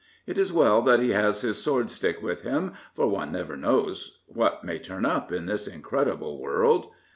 It is well that he has his swordstick with him, for one never knows what may turn up in this in credible world.